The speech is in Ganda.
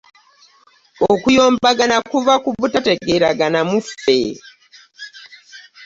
Okuyombagana kuva ku butakolagana muffe.